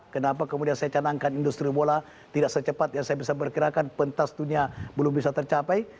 kenapa kemudian saya canangkan industri bola tidak secepat yang saya bisa berkirakan pentas dunia belum bisa tercapai